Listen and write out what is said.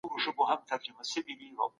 د سرچینو نه کارول اساسي ستونزه ده.